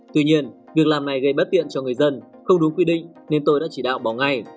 tuy nhiên việc làm này gây bất tiện cho người dân không đúng quy định nên tôi đã chỉ đạo bỏ ngay